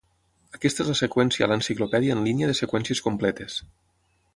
Aquesta és la seqüència a l'enciclopèdia en línia de seqüències completes.